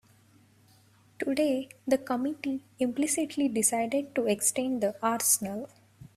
Today the committee implicitly decided to extend the arsenal.